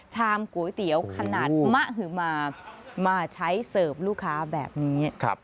ชามก๋วยเตี๋ยวขนาดมะหือมามาใช้เสิร์ฟลูกค้าแบบนี้